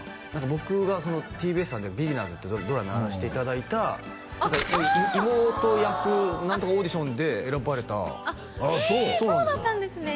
僕がＴＢＳさんで「ビキナーズ！」っていうドラマやらせていただいた妹役何とかオーディションで選ばれたあっへえそうだったんですね